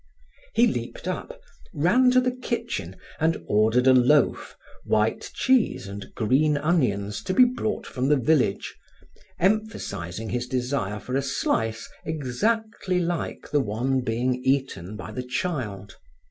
He leaped up, ran to the kitchen and ordered a loaf, white cheese and green onions to be brought from the village, emphasizing his desire for a slice exactly like the one being eaten by the child.